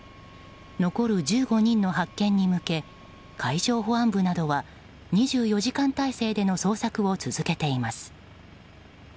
残る１５人の発見に向け海上保安部などは２４時間態勢での捜索を続けています。